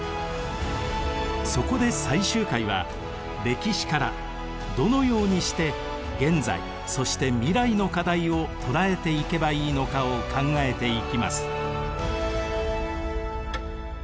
そこで最終回は歴史からどのようにして現在そして未来の課題を捉えていけばいいのかを考えていきます。